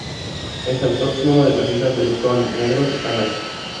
Es autóctono de las islas de Luzón, Negros y Panay.